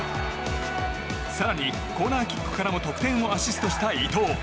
更にコーナーキックからも得点をアシストした伊東。